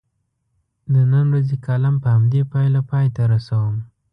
د نن ورځې کالم په همدې پایله پای ته رسوم.